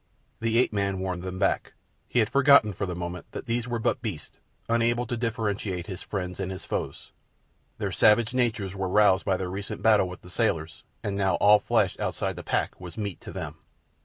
The ape man warned them back. He had forgotten for the moment that these were but beasts, unable to differentiate his friends and his foes. Their savage natures were roused by their recent battle with the sailors, and now all flesh outside the pack was meat to them.